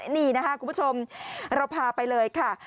นี่นะคะคุณผู้ชมเราพาไปเลยค่ะ